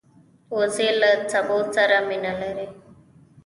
وزې له سبو سره مینه لري